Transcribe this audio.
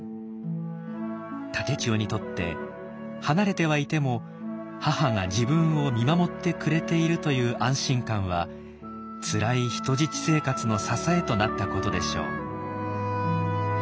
竹千代にとって離れてはいても母が自分を見守ってくれているという安心感はつらい人質生活の支えとなったことでしょう。